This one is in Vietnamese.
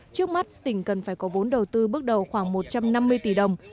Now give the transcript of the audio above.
trước mắt tỉnh cần phải có vốn đầu tư bước đầu khoảng một trăm năm mươi tỷ đồng